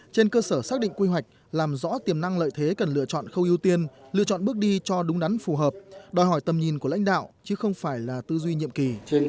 trên cơ sở xác định quy hoạch làm rõ tiềm năng lợi thế cần lựa chọn khâu ưu tiên lựa chọn bước đi cho đúng đắn phù hợp đòi hỏi tầm nhìn của lãnh đạo chứ không phải là tư duy nhiệm kỳ